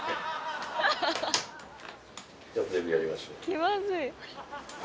気まずい。